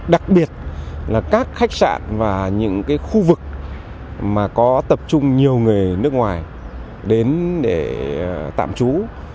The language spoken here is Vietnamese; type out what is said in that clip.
đặc biệt là các khách sạn và những khu vực mà có tập trung nhiều người nước ngoài đến để tạm trú